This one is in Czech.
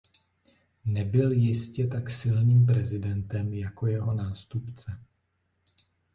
Nebyl ještě tak silným prezidentem jako jeho nástupce.